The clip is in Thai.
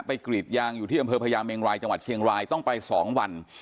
กรีดยางอยู่ที่อำเภอพญาเมงรายจังหวัดเชียงรายต้องไป๒วัน